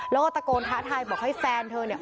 แล้วก็ตะโกนท้าทายบอกให้แฟนเธอเนี่ย